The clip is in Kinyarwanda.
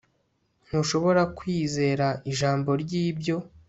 Ntushobora kwizera ijambo ryibyo